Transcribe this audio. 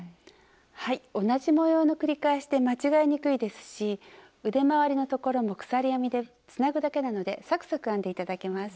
はい同じ模様の繰り返しで間違えにくいですし腕まわりのところも鎖編みでつなぐだけなのでサクサク編んでいただけます。